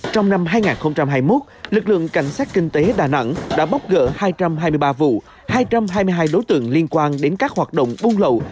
trong năm hai nghìn hai mươi một lực lượng cảnh sát kinh tế đà nẵng đã bóc gỡ hai trăm hai mươi ba vụ hai trăm hai mươi hai đối tượng liên quan đến các hoạt động buôn lậu